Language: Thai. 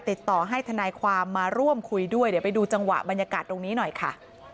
ติดต่อให้ทนายความมาร่วมคุยด้วยเดี๋ยวไปดูจังหวะบรรยากาศตรงนี้หน่อยค่ะ